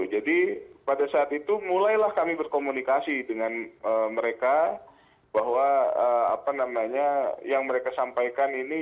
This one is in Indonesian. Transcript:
jadi pada saat itu mulailah kami berkomunikasi dengan mereka bahwa apa namanya yang mereka sampaikan ini